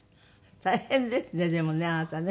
大変ですねでもねあなたね。